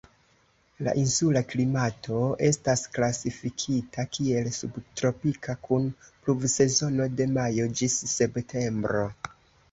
La insula klimato estas klasifikita kiel subtropika, kun pluvsezono de majo ĝis septembro.